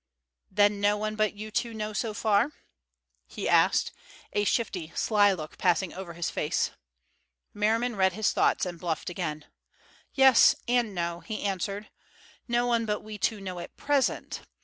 "Then no one but you two know so far?" he asked, a shifty, sly look passing over his face. Merriman read his thoughts and bluffed again. "Yes and no," he answered. "No one but we two know at present.